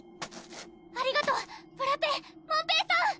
ありがとうブラペ門平さん！